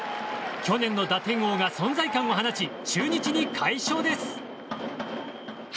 去年の打点王が存在感を放ち中日に快勝です。